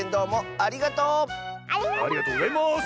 ありがとうございます！